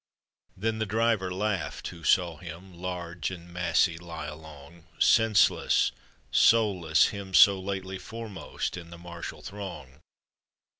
Then the driver laugh'd who saw him, Large and massy lie along, Senseless, soulless — him so lately Foremost in the martial throng.